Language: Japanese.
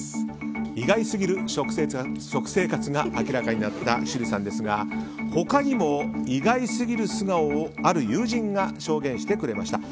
意外すぎる食生活が明らかになった趣里さんですが他にも意外すぎる素顔をある友人が証言してくれました。